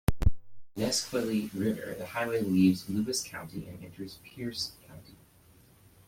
Bridging the Nisqually River, the highway leaves Lewis County and enters Pierce County.